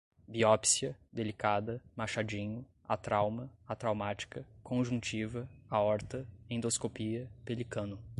biópsia, delicada, machadinho, atrauma, atraumática, conjuntiva, aorta, endoscopia, pelicano